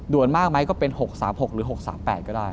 มากไหมก็เป็น๖๓๖หรือ๖๓๘ก็ได้